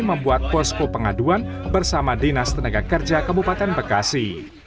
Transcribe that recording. membuat posko pengaduan bersama dinas tenaga kerja kabupaten bekasi